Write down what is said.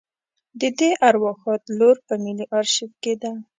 د دې ارواښاد لور په ملي آرشیف کې ده.